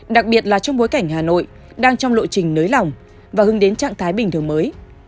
đặc biệt là trong bối cảnh hà nội đang trong lộ trình nới lỏng và hướng đến trạng thái bình thường mới